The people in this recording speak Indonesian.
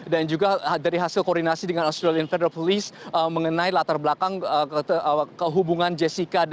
dan juga dari hasil koordinasi dengan australian federal police mengenai latar belakang kehubungan jessica